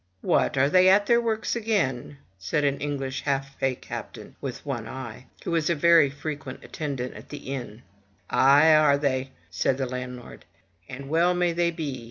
'*What! are they at their works again?'* said an English half pay captain, with one eye, who was a very frequent attendant at the inn. Aye, are they, said the landlord, "and well may they be.